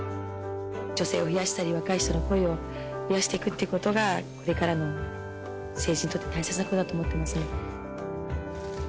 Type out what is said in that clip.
女性を増やしたり、若い人の声を増やしていくってことが、これからの政治にとって大切なことだと思ってますので。